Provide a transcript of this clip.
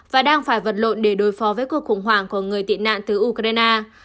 và đang phải vật lộn để đối phó với cuộc khủng hoảng của người tị nạn từ ukraine